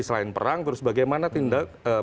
selain perang terus bagaimana